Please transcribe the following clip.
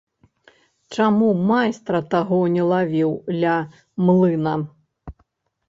Чаму майстра таго не лавіў ля млына?